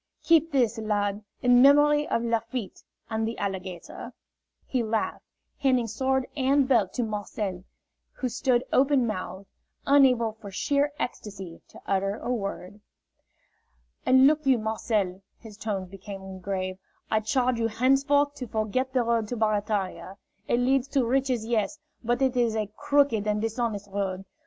"Keep this lad, in memory of Lafitte and the alligator," he laughed, handing sword and belt to Marcel, who stood open mouthed, unable for sheer ecstasy to utter a word. "And look you, Marcel," his tones became grave, "I charge you henceforth to forget the road to Barataria. It leads to riches, yes, but it is a crooked and dishonest road.